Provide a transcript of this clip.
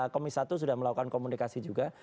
komisi satu sudah melakukan komunikasi juga